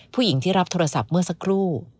ผู้หญิงที่รับโทรศัพท์เมื่อสักครู่